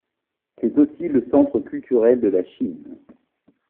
C'est aussi le centre culturel de la Chine.